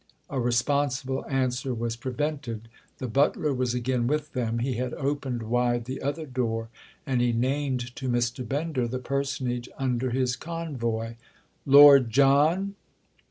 A responsible answer was prevented—the butler was again with them; he had opened wide the other door and he named to Mr. Bender the personage under his convoy. "Lord John!"